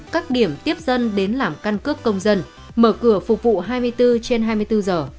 các điểm tiếp dân đến làm căn cước công dân mở cửa phục vụ hai mươi bốn trên hai mươi bốn giờ